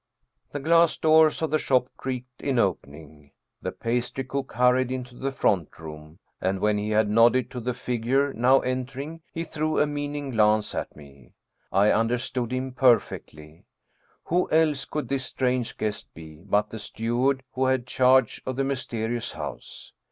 The glass doors of the shop creaked in opening. The pastry cook hurried into the front room, and when he had nodded to the figure now entering he threw a meaning glance at me. I understood him perfectly. Who else could this strange guest be, but the steward who had charge of the mysterious house!